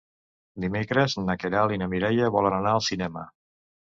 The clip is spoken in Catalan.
Dimecres na Queralt i na Mireia volen anar al cinema.